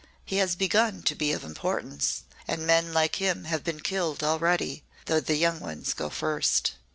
He has begun to be of importance. And men like him have been killed already though the young ones go first."